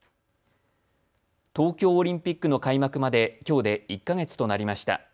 東京オリンピックの開幕まできょうで１か月となりました。